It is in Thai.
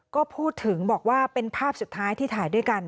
ก็พูดถึงบอกว่าเป็นภาพสุดท้ายที่ถ่ายด้วยกัน